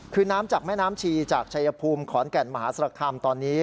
คือน้ำจากแม่น้ำชีจากชายภูมิขอนแก่นมหาศาลคามตอนนี้